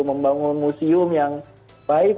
membangun musim yang baik